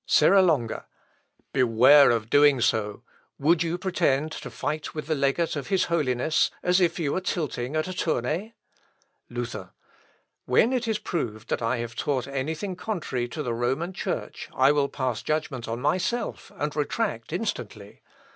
Serra Longa. "Beware of doing so!... Would you pretend to fight with the legate of his holiness, as if you were tilting at a tournay?" Luther. "When it is proved that I have taught anything contrary to the Roman Church I will pass judgment on myself, and retract instantly.